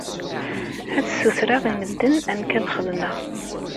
Ad sutreɣ i medden amek ad xedmeɣ.